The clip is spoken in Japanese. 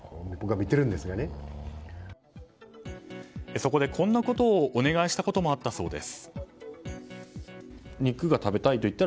そこで、こんなことをお願いしたこともあったそうです。